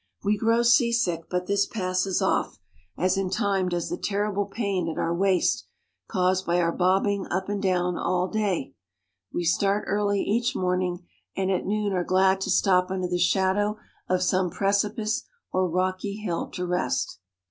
We grow seasick, but this passes off, as in time does the terrible pain at the waist, caused by our bobbing up and down all day long. We start early each morning, and at noon are glad to stop under the shadow of some precipice or rocky hill to rest.